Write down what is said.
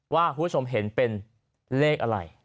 คุณผู้ชมเห็นเป็นเลขอะไร